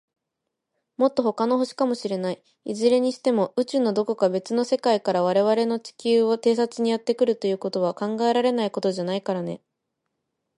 もっと、ほかの星かもしれない。いずれにしても、宇宙の、どこか、べつの世界から、われわれの地球を偵察にやってくるということは、考えられないことじゃないからね。